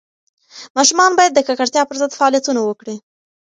ماشومان باید د ککړتیا پر ضد فعالیتونه وکړي.